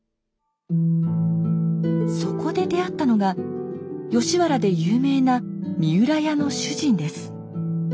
そこで出会ったのが吉原で有名な三浦屋の主人です。